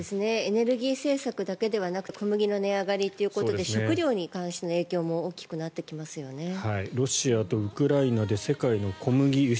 エネルギー政策だけではなくて小麦の値上がりということで食料に関しての影響も大きくなってきますよね。